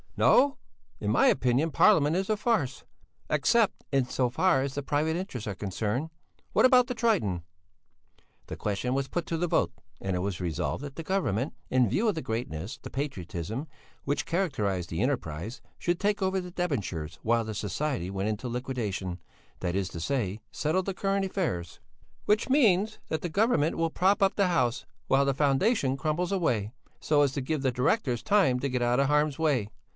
"No! In my opinion Parliament is a farce, except in so far as private interests are concerned. What about the 'Triton'?" "The question was put to the vote, and it was resolved that the Government, in view of the greatness, the patriotism, which characterized the enterprise, should take over the debentures while the society went into liquidation, that is to say, settled the current affairs." "Which means that Government will prop up the house while the foundation crumbles away, so as to give the directors time to get out of harm's way."